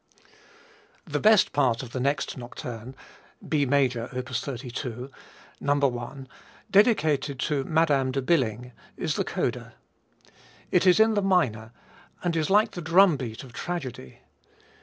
The best part of the next nocturne, B major, op. 32, No. I, dedicated to Madame de Billing is the coda. It is in the minor and is like the drum beat of tragedy.